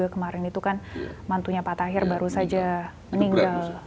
kemarin itu kan mantunya pak tahir baru saja meninggal